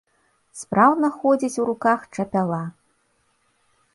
Спраўна ходзіць у руках чапяла.